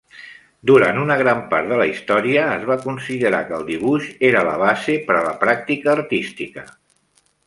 Durant una gran part de la història, es va considerar que el dibuix era la base per a la pràctica artística.